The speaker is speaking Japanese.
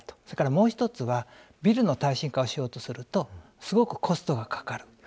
それから、もう１つはビルの耐震化をしようとするとすごくコストがかかる。